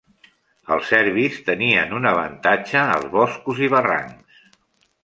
Els serbis tenien un avantatge als boscos i barrancs.